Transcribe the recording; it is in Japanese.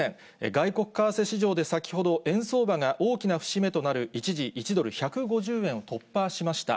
外国為替市場で、先ほど、円相場が大きな節目となる、一時１ドル１５０円を突破しました。